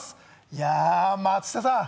いやー松下さん